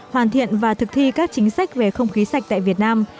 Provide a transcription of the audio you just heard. hoàn thiện và thực thi các chính sách về không khí sạch tại việt nam